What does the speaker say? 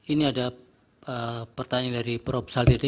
ini ada pertanyaan dari prof sali